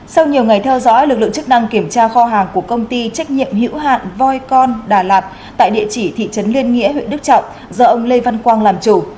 sau nhiều ngày theo dõi lực lượng chức năng kiểm tra kho hàng của công ty trách nhiệm hữu hạn voi con đà lạt tại địa chỉ thị trấn liên nghĩa huyện đức trọng do ông lê văn quang làm chủ